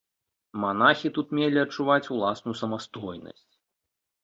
Манахі тут мелі адчуваць уласную самастойнасць.